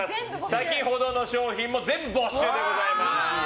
先ほどの商品も全部没収でございます。